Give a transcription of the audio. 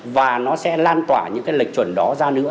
và nó sẽ lan tỏa những cái lệch chuẩn đó ra nữa